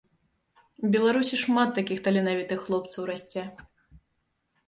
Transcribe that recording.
Беларусі шмат такіх таленавітых хлопцаў расце.